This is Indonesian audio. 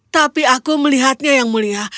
tapi aku melihatnya yang mulia